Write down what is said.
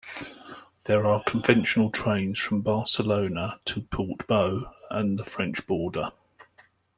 There are conventional trains from Barcelona to Portbou and the French border.